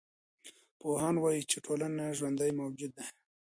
پوهان وايي چي ټولنه ژوندی موجود دی.